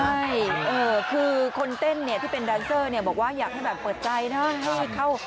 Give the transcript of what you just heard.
ใช่คือคนเต้นเนี่ยที่เป็นแดนเซอร์เนี่ยบอกว่าอยากให้แบบเปิดใจนะให้เข้า